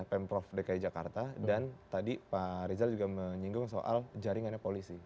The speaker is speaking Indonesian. pemprov dki jakarta dan tadi pak rizal juga menyinggung soal jaringannya polisi